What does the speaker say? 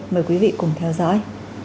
mời quý vị cùng theo dõi